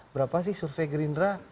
berapa sih survei gerindra